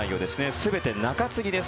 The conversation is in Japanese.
全て中継ぎです。